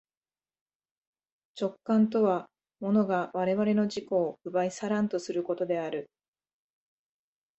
直観とは物が我々の自己を奪い去らんとすることである。